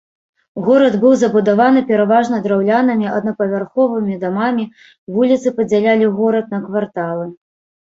Горад быў забудаваны пераважна драўлянымі аднапавярховымі дамамі, вуліцы падзялялі горад на кварталы.